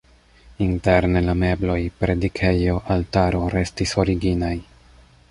Interne la mebloj, predikejo, altaro restis originaj.